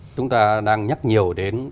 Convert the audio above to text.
chúng ta đang nhắc nhiều đến